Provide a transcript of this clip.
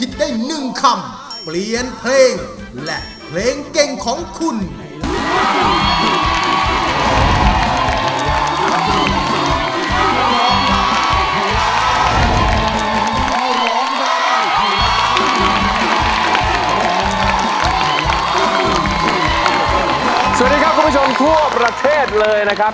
สวัสดีครับคุณผู้ชมทั่วประเทศเลยนะครับ